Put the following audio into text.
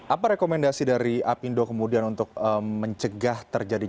apa rekomendasi dari apindo kemudian untuk mereka yang sudah berkorban